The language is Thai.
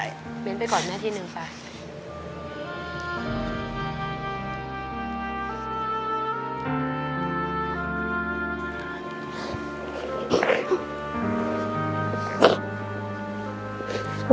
เบนไปก่อนแม่ที่นึงป่ะ